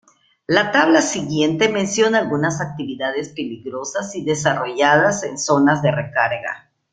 La tabla siguiente menciona algunas actividades peligrosas si desarrolladas en zonas de recarga.